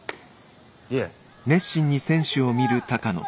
いえ。